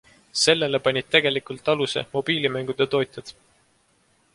Sellele panid tegelikult aluse mobiilimängude tootjad.